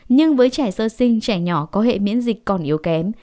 nhưng với trẻ sơ sinh trẻ nhỏ có hệ miễn dịch còn yếu kém